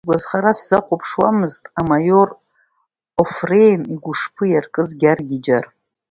Сгәазхара сзахәаԥшуамызт амаиор Офреин игәышԥы иаркыз Гьаргь иџьар.